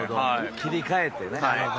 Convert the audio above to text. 切り替えてね。